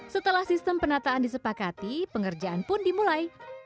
setelah sistem penataan disepakati pengerjaan pun dimulai